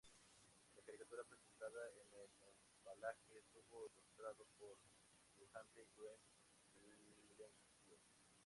La caricatura presentada en el embalaje estuvo ilustrado por dibujante Grey Blackwell.